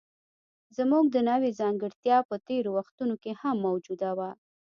زموږ د نوعې ځانګړتیا په تېرو وختونو کې هم موجوده وه.